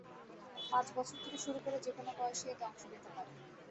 পাঁচ বছর থেকে শুরু করে যেকোনো বয়সীই এতে অংশ নিতে পারে।